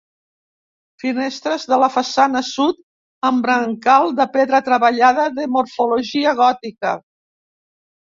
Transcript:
Finestres de la façana sud amb brancal de pedra treballada de morfologia gòtica.